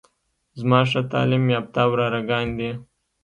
زما ښه تعليم يافته وراره ګان دي.